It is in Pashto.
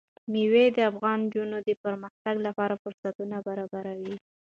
مېوې د افغان نجونو د پرمختګ لپاره فرصتونه برابروي.